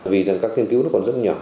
vì rằng các nghiên cứu nó còn rất nhỏ